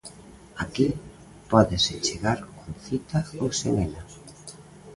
Aquí pódese chegar con cita ou sen ela.